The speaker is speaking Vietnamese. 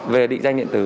về định danh điện tử